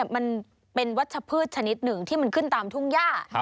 มันเป็นวัชพืชชนิดหนึ่งที่มันขึ้นตามทุ่งย่า